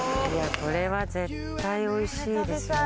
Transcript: これは絶対おいしいですね。